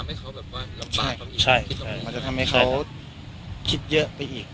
มันก็จะเป็นทำให้เขาแบบว่าลำบากทำให้เขาคิดเยอะไปอีก